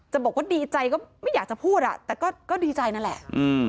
บอกว่าดีใจก็ไม่อยากจะพูดอ่ะแต่ก็ดีใจนั่นแหละ